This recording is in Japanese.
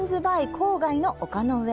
郊外の丘の上。